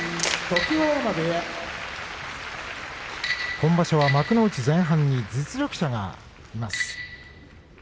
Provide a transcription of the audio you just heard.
今場所は幕内前半に実力者がいます。